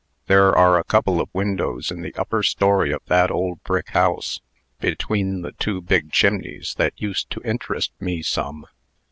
There are a couple of windows, in the upper story of that old brick house, between the two big chimneys, that used to interest me some."